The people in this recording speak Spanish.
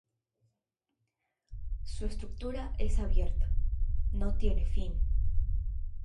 Su estructura es abierta: no tiene fin.